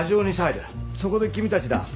そこで君たちだ。